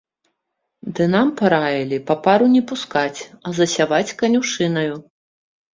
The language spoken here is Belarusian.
Ды нам параілі папару не пускаць, а засяваць канюшынаю.